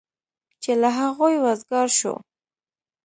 چې له هغوی وزګار شو.